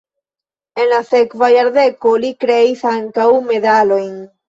En la sekva jardeko li kreis ankaŭ medalojn.